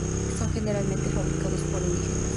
Son generalmente fabricados por indígenas.